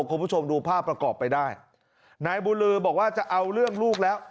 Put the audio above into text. คุณผู้ชมดูภาพประกอบไปได้นายบุลือบอกว่าจะเอาเรื่องลูกแล้ว